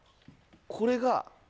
これが。